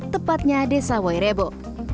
tepatnya desa werebo